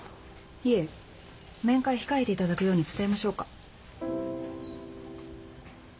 いえ面会控えていただくように伝えましょうか？